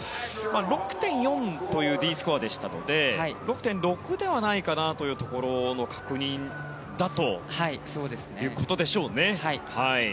６．４というＤスコアでしたので６．６ではないかという確認だということでしょう。